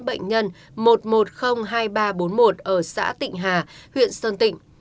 bệnh nhân một triệu một trăm linh hai nghìn ba trăm bốn mươi một ở xã tịnh hà huyện sơn tịnh